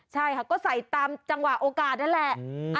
ใช่ค่ะก็ใส่ตามจังหวะโอกาสนั่นแหละ